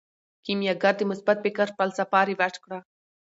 کیمیاګر د مثبت فکر فلسفه رواج کړه.